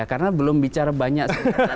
karena belum bicara banyak sih